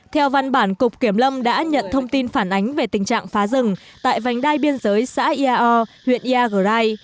theo văn bản cục kiểm lâm đã nhận thông tin phản ánh về tình trạng phá rừng tại vành đai biên giới xã iao huyện iagrai